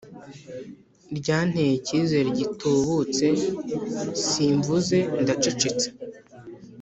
ryanteye icyizere gitubutse simvuze ndacecetse